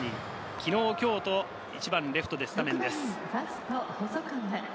昨日、今日と１番・レフトでスタメンです。